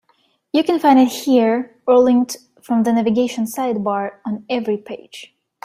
You can find it here, or linked from the navigation sidebar on every page.